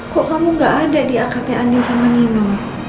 kok kamu gak ada di akadnya andi sama nino